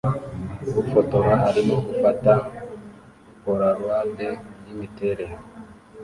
Ufotora arimo gufata Polaroide yimiterere